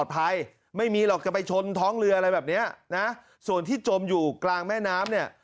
ไปชนท้องเรืออะไรแบบนี้นะส่วนที่จมอยู่กลางแม่น้ำเนี่ย